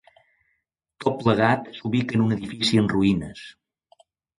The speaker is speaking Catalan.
Tot plegat s'ubica en un edifici en ruïnes.